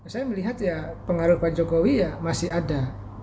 saya melihat ya pengaruh pak jokowi ya masih ada